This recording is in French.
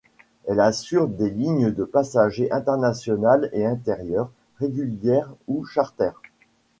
Elle assure des lignes de passagers, internationales et intérieures, régulières ou charter.